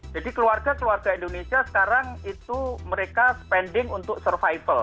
jadi keluarga keluarga indonesia sekarang itu mereka spending untuk survival